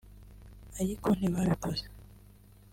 ariko ntibabikoze”